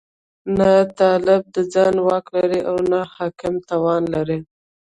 نه طالب د ځان واک لري او نه حاکمان توان لري.